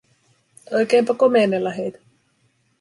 Oikeinpa komennella heitä.